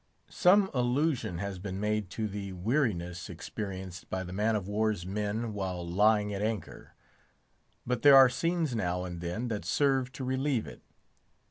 Some allusion has been made to the weariness experienced by the man of war's men while lying at anchor; but there are scenes now and then that serve to relieve it.